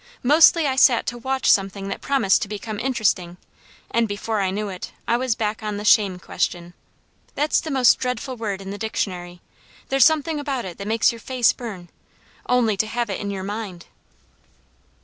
Mostly I sat to watch something that promised to become interesting, and before I knew it, I was back on the shame question. That's the most dreadful word in the dictionary. There's something about it that makes your face burn, only to have it in your mind.